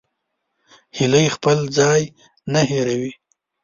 هیلۍ خپل ځای نه هېروي